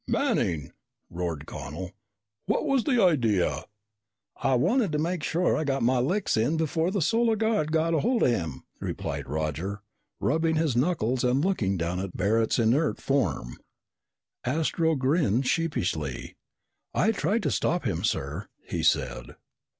"Manning!" roared Connel. "What was the idea?" "I wanted to make sure I got in my licks before the Solar Guard got hold of him," replied Roger, rubbing his knuckles and looking down at Barret's inert form. Astro grinned sheepishly. "I tried to stop him, sir!" he said.